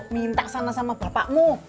minta kesana sama bapakmu